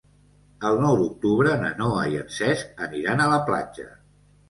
El nou d'octubre na Noa i en Cesc aniran a la platja.